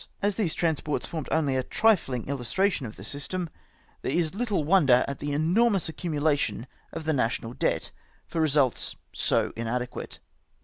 As these transports formed only a trifling illustration of the system, there 156 DOCKYARD PRACTICES. is little wonder at the enormous accumulation of the national debt, for results so inadequate.